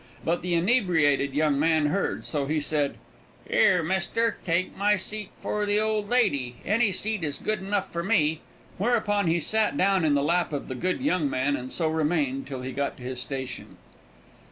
But the inebriated young man heard, and so he said: "Here, mister, take my seat for the old lady; any seat is good enough for me." Whereupon he sat down in the lap of the good young man, and so remained till he got to his station.